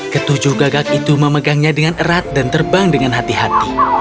ketujuh gagak itu memegangnya dengan erat dan terbang dengan hati hati